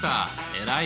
偉い！